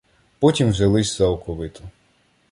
Потім взялись за оковиту